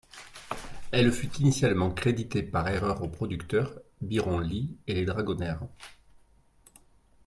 Elle fut initialement créditée par erreur au producteur, Byron Lee et les Dragonaires.